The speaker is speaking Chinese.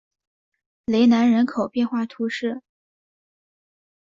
雷南人口变化图示